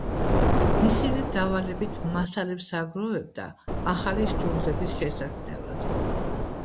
მისივე დავალებით მასალებს აგროვებდა ახალი სჯულდების შესაქმნელად.